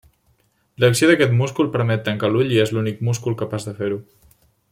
L'acció d'aquest múscul permet tancar l'ull i és l'únic múscul capaç de fer-ho.